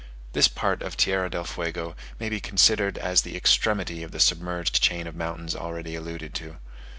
This part of Tierra del Fuego may be considered as the extremity of the submerged chain of mountains already alluded to.